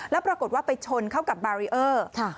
แล้วปรากฏว่าไปชนเข้ากับบารีเออร์